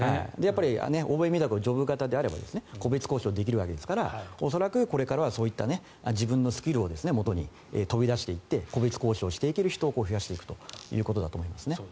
欧米みたくジョブ型であれば個別交渉ができるわけですから恐らくこれからはそういった自分のスキルをもとに飛び出して行って個別交渉できる人を増やしていくということだと思いますね。